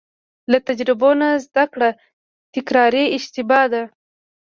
له تجربو نه زده کړه تکراري اشتباه ده.